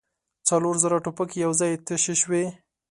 څلور زره ټوپکې يو ځای تشې شوې.